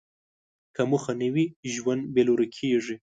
که موخه نه وي، ژوند بېلوري کېږي.